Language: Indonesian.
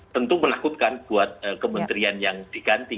tentu menakutkan buat kementerian yang diganti